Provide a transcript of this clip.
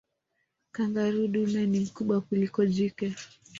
kangaroo dume ni mkubwa kuliko jike